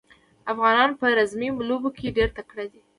افغانان په رزمي لوبو کې ډېر تکړه دي.